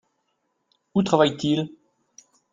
Où travaille-t-il ?